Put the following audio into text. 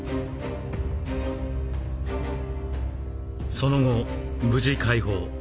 その後無事解放。